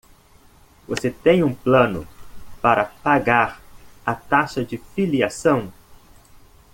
Você tem um plano para pagar a taxa de filiação?